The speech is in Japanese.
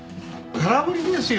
空振りですよ